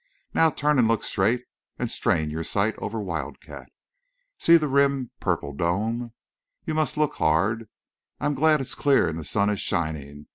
... Now turn and look straight and strain your sight over Wildcat. See the rim purple dome. You must look hard. I'm glad it's clear and the sun is shining.